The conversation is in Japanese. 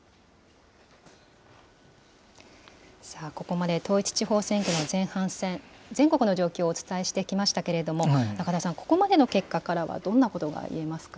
さあ、ここまで、統一地方選挙の前半戦、全国の状況をお伝えしてきましたけれども、中田さん、ここまでの結果からは、どんなことが言えますか。